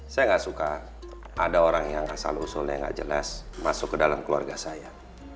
saya nggak suka ada orang yang asal usulnya gak jelas masuk ke dalam keluarga saya